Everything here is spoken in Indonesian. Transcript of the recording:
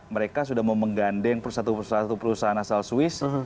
mereka sudah mau menggandeng salah satu perusahaan asal swiss